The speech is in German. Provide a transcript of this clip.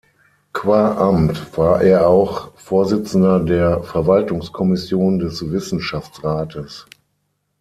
Qua Amt war er auch Vorsitzender der Verwaltungskommission des Wissenschaftsrates.